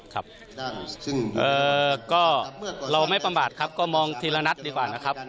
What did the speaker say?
ครับซึ่งก็เราไม่ประมาทครับก็มองทีละนัดดีกว่านะครับ